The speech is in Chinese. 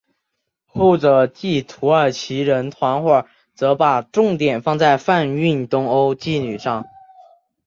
后者即土耳其人团伙则把重点放在贩运东欧妓女上。